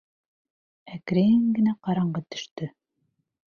...Әкрен генә ҡараңғы төштө.